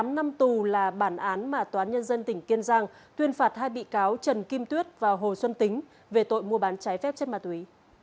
một mươi năm năm tù là bản án mà toán nhân dân tỉnh kiên giang tuyên phạt hai bị cáo trần kim tuyết và hồ xuân tính về tội mua bán trái phép chất ma túy